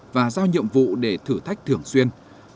và giao nhiệm vụ để thử thách thường xuyên